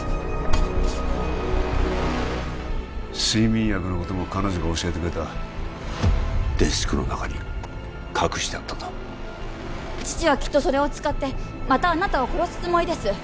睡眠薬のことも彼女が教えてくれたデスクの中に隠してあったと父はきっとそれを使ってまたあなたを殺すつもりです